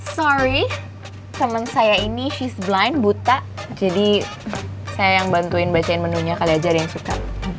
sorry temen saya ini she's blind buta jadi saya yang bantuin bacain menu nya kalian aja ada yang suka